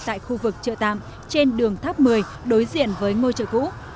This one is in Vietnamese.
tại khu vực chợ tạm trên đường tháp một mươi đối diện với ngôi chợ cũ